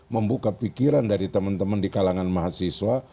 membuka pikiran dari teman teman di kalangan mahasiswa